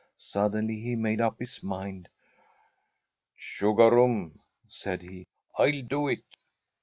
Suddenly he made up his mind. "Chugarum!" said he. "I'll do it!"